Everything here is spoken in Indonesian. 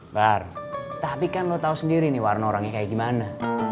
bar tapi kan lo tahu sendiri nih warna orangnya kayak gimana